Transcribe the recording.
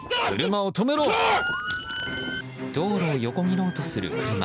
道路を横切ろうとする車。